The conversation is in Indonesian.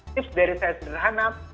tips dari saya sederhana